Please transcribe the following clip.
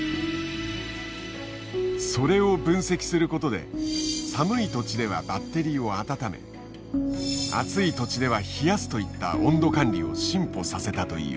それを分析することで寒い土地ではバッテリーを温め暑い土地では冷やすといった温度管理を進歩させたという。